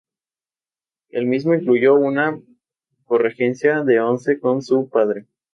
El mismo incluyó una corregencia de once con su padre.